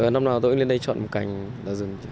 năm nào tôi cũng lên đây chọn một cảnh đào rừng